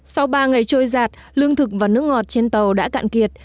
sau ba ngày trôi giạt lương thực và nước ngọt trên tàu đã cạn kiệt